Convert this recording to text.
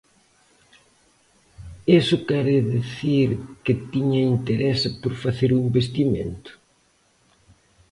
¿Iso quere dicir que tiña interese por facer o investimento?